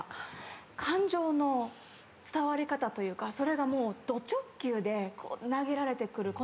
感情の伝わり方というかそれがもうど直球で投げられてくるこの球の速さと